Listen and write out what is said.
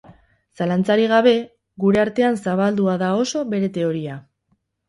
Zalantzarik gabe, gure artean zabaldua da oso bere teoria.